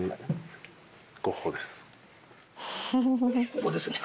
ここですね？